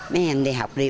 mấy em đi học đi